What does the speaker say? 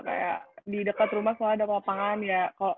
kayak di dekat rumah soalnya ada lapangan ya